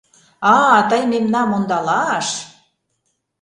— А-а, тый мемнам ондалаш?..